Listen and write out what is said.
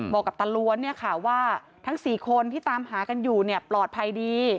บอกกับตรวจเนี่ยค่ะว่าทั้ง๔คนที่ตามหากันอยู่เนี่ยปลอดภัยดี